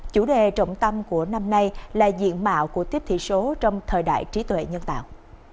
chủ đề trọng tâm của năm nay là diện mạo của tiếp thị số trong thời đại trí tuệ nhân tạo